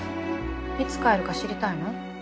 いつ帰るか知りたいの？